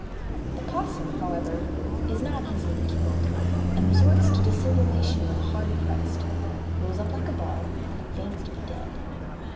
The opossum, however, is not easily killed, and resorts to dissimulation when hard pressed, rolls up like a ball, and feigns to be dead.